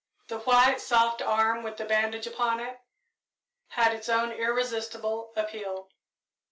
The white, soft arm, with the bandage upon it, had its own irresistible appeal.